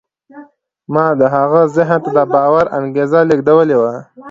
ما د هغه ذهن ته د باور انګېزه لېږدولې وه